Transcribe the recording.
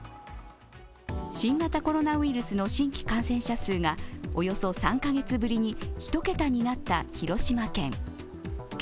新型コロナウイルスの新規感染者数がおよそ３カ月ぶりに１桁になった広島県。